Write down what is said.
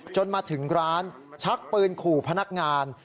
จนมาถึงร้านชักปืนขู่พนักงาน